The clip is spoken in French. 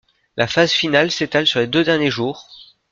La phase finale s'étale sur les deux derniers jours.